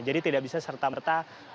jadi tidak bisa serta merta